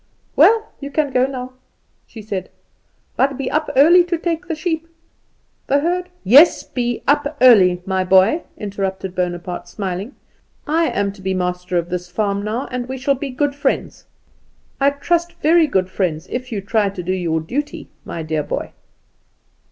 "Well, you can go now," she said; "but be up early to take the sheep. The herd " "Yes, be up early, my boy," interrupted Bonaparte, smiling. "I am to be master of this farm now; and we shall be good friends, I trust, very good friends, if you try to do your duty, my dear boy."